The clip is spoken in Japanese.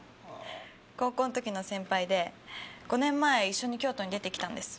高校の時の先輩で５年前一緒に京都に出てきたんです。